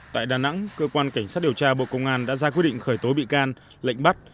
tại đà nẵng cơ quan cảnh sát điều tra bộ công an đã ra quyết định khởi tố bị can lệnh bắt